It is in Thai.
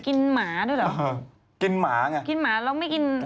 กินหมาเนี่ยกินหมาแล้วก็ไม่กิน